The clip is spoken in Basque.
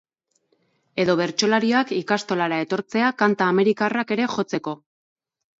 Edo bertsolariak ikastolara etortzea kanta amerikarrak ere jotzeko.